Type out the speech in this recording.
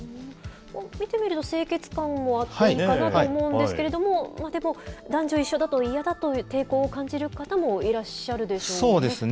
見てみると、清潔感もあっていいかなと思うんですけれども、でも、男女一緒だと嫌だと、抵抗を感じる方もいらっしゃるでしょうね。